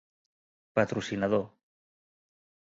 patrocinador